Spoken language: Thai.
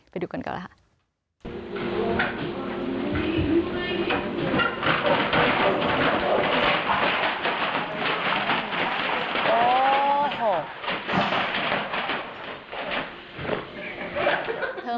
ไปดูกันก่อนแล้วค่ะ